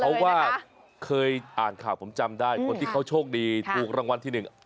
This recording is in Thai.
เพราะว่าเคยอ่านข่าวผมจำได้คนที่เขาโชคดีถูกรางวัลที่หนึ่ง